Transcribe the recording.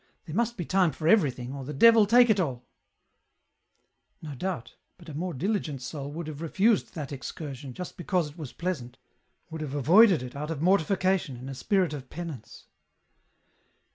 There must be time for everything, or the devil take it all !" No doubt, but a more diligent soul would have refused that excursion, just because it was pleasant ; would have avoided it, out of mortification, in a spirit of penance." EN ROUTE.